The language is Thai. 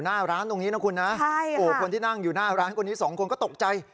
หน้าร้านตรงนี้นะคุณนะคนที่นั่งอยู่หน้าร้านคนนี้สองคนก็ตกใจ